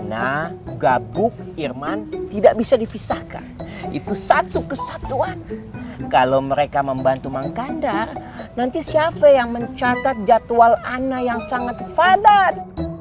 anak gabung irman tidak bisa dipisahkan itu satu kesatuan kalau mereka membantu mangkandar nanti siapa yang mencatat jadwal anna yang sangat fadat